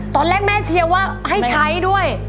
ตอนแรกแม่เชียร์ว่าให้ใช้ด้วย